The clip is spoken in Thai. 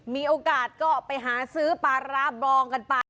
มีโอกาสก็ไปหาซื้อปลาร้าบองกันไป